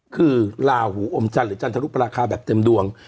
คือลาหูอมจันทร์หรือจันทรุปราคาแบบเต็มดวง